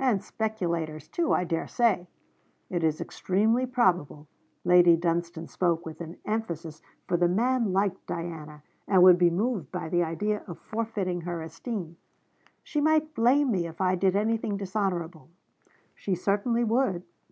'And speculators too, I dare say!' 'It is extremely probable.' Lady Dunstane spoke with an emphasis, for the man liked Diana, and would be moved by the idea of forfeiting her esteem. 'She might blame me if I did anything dishonourable!' 'She certainly would.'